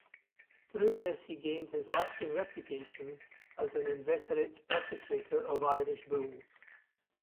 Through this he gained his lasting reputation as an inveterate perpetrator of Irish bulls.